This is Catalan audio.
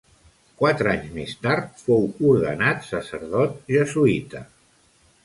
Quatre anys més tard fou ordenat sacerdot jesuïta.